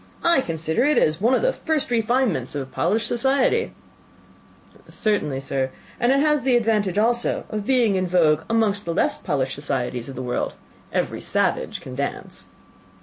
I consider it as one of the first refinements of polished societies." "Certainly, sir; and it has the advantage also of being in vogue amongst the less polished societies of the world: every savage can dance."